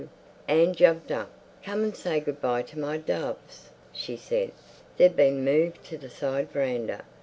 _" Anne jumped up. "Come and say good bye to my doves," she said. "They've been moved to the side veranda.